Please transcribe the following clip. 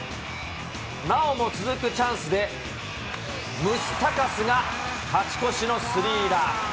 なおも続くチャンスで、ムスタカスが勝ち越しのスリーラン。